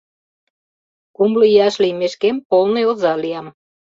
Кумло ияш лиймешкем, полный оза лиям.